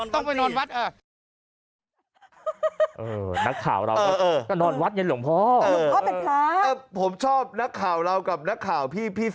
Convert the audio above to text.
แต่หลวงพ่อมานอนนี่